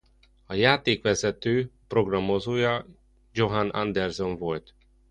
A játék vezető programozója Johan Andersson volt.